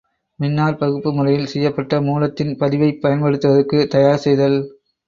மின்னாற்பகுப்பு முறையில் செய்யப்பட்ட மூலத்தின் பதிவைப் பயன்படுத்துவதற்கு தயார் செய்தல்.